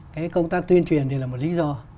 cái công tác tuyên truyền thì là một lý do